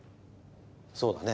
そうだね。